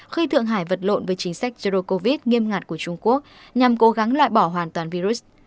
khi thượng hải vật lộn với chính sách zero covid nghiêm ngặt của trung quốc nhằm cố gắng loại bỏ hoàn toàn virus